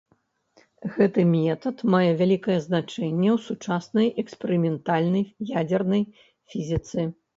Гэты метад мае вялікае значэнне ў сучаснай эксперыментальнай ядзернай фізіцы.